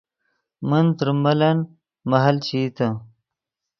من تریم ملن مہل چے ایتے